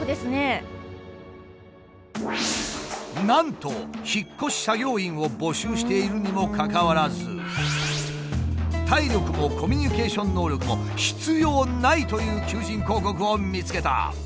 なんと引っ越し作業員を募集しているにもかかわらず体力もコミュニケーション能力も必要ないという求人広告を見つけた。